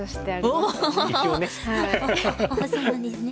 そうなんですね。